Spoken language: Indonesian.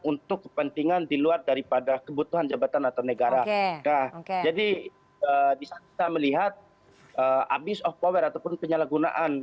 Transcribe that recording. untuk kepentingan diluar daripada kebutuhan jabatan atau negara jadi bisa kita melihat